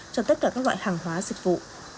cho tất cả các loại hàng hóa dịch vụ